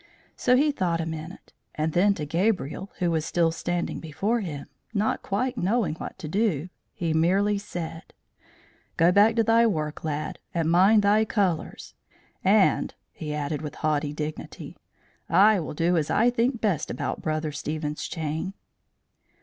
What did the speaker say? So he thought a minute, and then to Gabriel, who was still standing before him, not quite knowing what to do, he merely said: "Go back to thy work, lad, and mind thy colours; and," he added with haughty dignity, "I will do as I think best about Brother Stephen's chain."